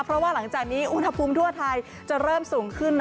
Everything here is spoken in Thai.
เพราะว่าหลังจากนี้อุณหภูมิทั่วไทยจะเริ่มสูงขึ้น